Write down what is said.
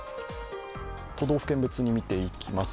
都道府県別に見ていきます。